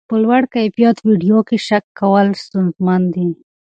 په لوړ کیفیت ویډیو کې شک کول ستونزمن دي.